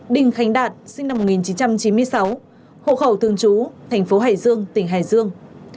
đình khánh đạt sinh năm một nghìn chín trăm chín mươi sáu hộ khẩu thường trú thành phố hải dương tỉnh hải dương